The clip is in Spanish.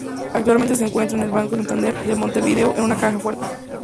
Actualmente se encuentra en el Banco Santander de Montevideo en una caja fuerte.